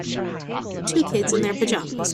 Two kids in their pajamas.